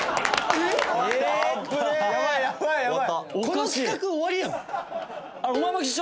この企画終わりやん。